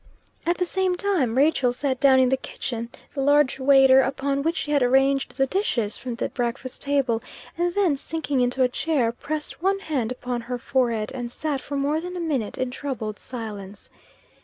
At the same time, Rachel sat down in the kitchen the large waiter upon which she had arranged the dishes from the breakfast table, and then sinking into a chair, pressed one hand upon her forehead, and sat for more than a minute in troubled silence.